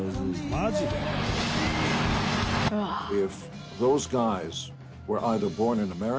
「マジで？」